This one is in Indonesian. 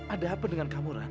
ada apa dengan kamu ran